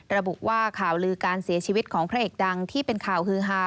ระบุว่าข่าวลือการเสียชีวิตของพระเอกดังที่เป็นข่าวฮือฮา